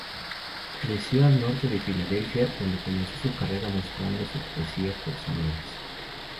Creció al norte de Filadelfia, donde comenzó su carrera mostrando sus poesías personales.